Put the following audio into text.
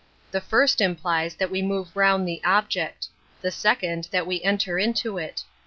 The first implies that we move round the object; the second that we enter into it.